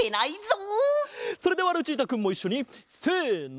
それではルチータくんもいっしょにせの。